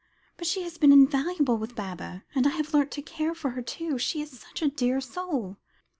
But she has been invaluable with Baba; and I have learnt to care for her, too. She is such a dear soul!"